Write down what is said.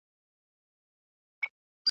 که د سهار ورک ماښام کور ته راسي ورک نه دئ `